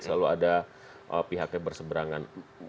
selalu ada pihaknya berseberangan